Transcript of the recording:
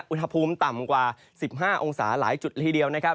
อุณหภูมิต่ำกว่า๑๕องศาหลายจุดละทีเดียวนะครับ